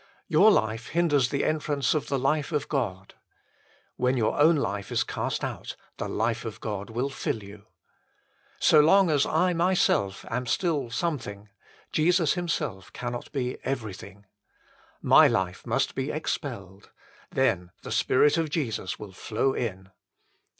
Your life hinders the entrance of the life of God. When your own life is cast out, the life of God will fill you. So long as / myself am still something, Jesus Himself can not be everything. My life must be expelled ; then the Spirit of Jesus will flow in.